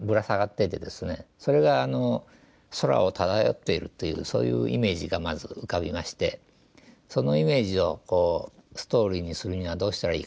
それが空を漂っているというそういうイメージがまず浮かびましてそのイメージをストーリーにするにはどうしたらいいかなと考えてですね